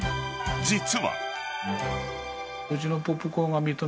実は。